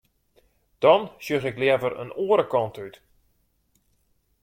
Dan sjoch ik leaver in oare kant út.